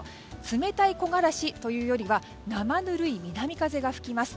冷たい木枯らしというよりは生ぬるい南風が吹きます。